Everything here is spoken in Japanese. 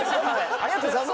ありがとうございます。